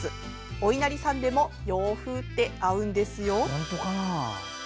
おいなりさんでも洋風って合うんですよ。